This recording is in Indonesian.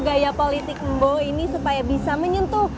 gaya politik embo ini supaya bisa menyentuh